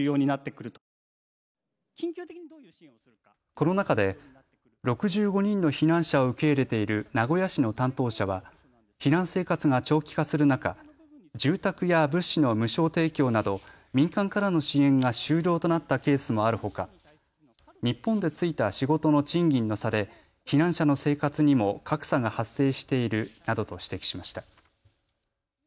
この中で６５人の避難者を受け入れている名古屋市の担当者は避難生活が長期化する中、住宅や物資の無償提供など民間からの支援が終了となったケースもあるほか日本で就いた仕事の賃金の差で避難者の生活にも格差が発生しているなどと指摘しました。